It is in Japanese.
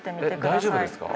大丈夫です。